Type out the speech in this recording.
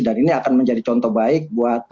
dan ini akan menjadi contoh baik buat